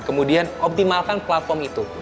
kemudian optimalkan platform itu